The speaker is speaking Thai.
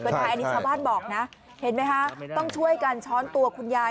อันนี้ชาวบ้านบอกนะเห็นไหมคะต้องช่วยกันช้อนตัวคุณยาย